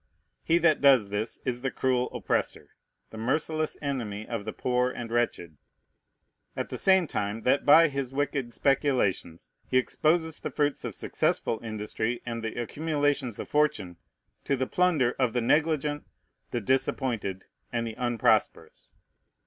He that does this is the cruel oppressor, the merciless enemy of the poor and wretched; at the same time that by his wicked speculations he exposes the fruits of successful industry and the accumulations of fortune to the plunder of the negligent, the disappointed, and the unprosperous.